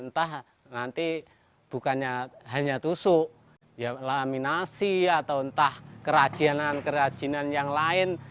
entah nanti bukannya hanya tusuk laminasi atau entah kerajinan kerajinan yang lain